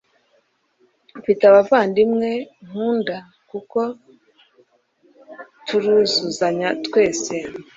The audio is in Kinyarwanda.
mfite abavandimwe nkunda kuko turuzuzanya twese